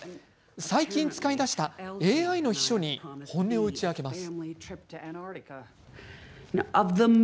最近、使いだしたＡＩの秘書に本音を打ち明けます。